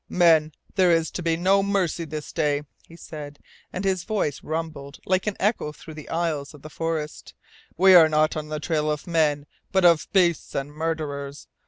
"Men, there is to be no mercy this day!" he said, and his voice rumbled like an echo through the aisles of the forest. "We are not on the trail of men, but of beasts and murderers.